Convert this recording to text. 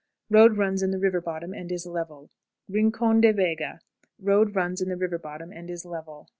Road runs in the river bottom, and is level. Rincon de Vega. Road runs in the river bottom, and is level.